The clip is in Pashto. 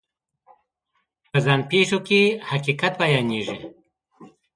په ځان پېښو کې حقایق بیانېږي.